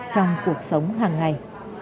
trong cuộc sống hàng ngày